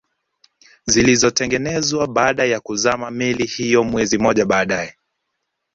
zilizotengenezwa baada ya kuzama meli hiyo mwezi mmoja baada